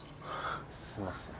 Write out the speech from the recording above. すいません。